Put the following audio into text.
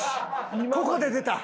ここで出た。